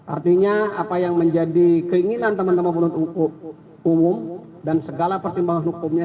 artinya apa yang menjadi keinginan teman teman penuntut umum dan segala pertimbangan hukumnya